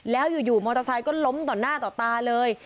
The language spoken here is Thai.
แล้วอยู่มอเตอร์ไซค์ก็ล้มต่อหน้าต่อตาเลย